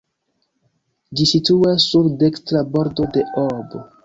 Ĝi situas sur dekstra bordo de Ob.